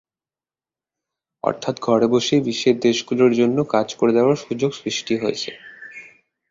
অর্থাত্ ঘরে বসেই বিশ্বের দেশগুলোর জন্য কাজ করে দেওয়ার সুযোগ সৃষ্টি হয়েছে।